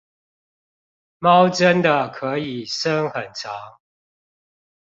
貓真的可以伸很長